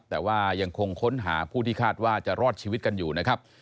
แต่ว่ายังคงค้นหาผู้ที่คาดว่าจะรอดชีวิตกันอยู่นะครับ